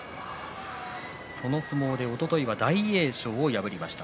その相撲でおとといは大栄翔を破りました。